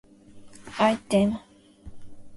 アイテム